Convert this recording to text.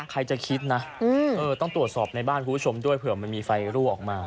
ใครจะคิดนะต้องตรวจสอบในบ้านคุณผู้ชมด้วยเผื่อมันมีไฟรั่วออกมา